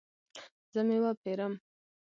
زه میوه پیرم